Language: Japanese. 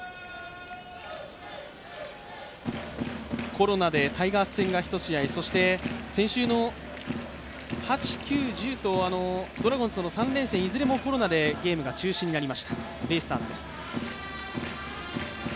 コロナでタイガーズ戦が１試合、そして先週の８、９、１０とドラゴンズとの３連戦、いずれもコロナでゲームが中止になりましたベイスターズです。